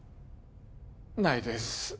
ないです